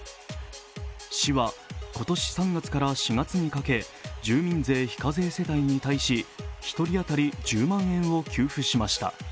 市は今年３月から４月にかけ住民税非課税世帯に対し１人当たり１０万円を給付しました。